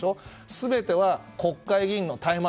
全ては国会議員の怠慢。